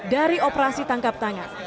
dari operasi tangkap tangan